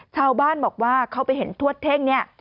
ชาวบ้านบอกว่าเขาไปเห็นทวดเท่งเนี่ย